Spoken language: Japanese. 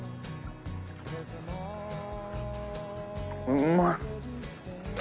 うまい。